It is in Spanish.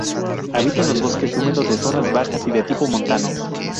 Habita en los bosques húmedos de zonas bajas y de tipo montano.